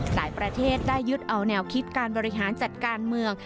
หลายประเทศได้ยึดเอาแนวคิดการบริหารจัดการเมือง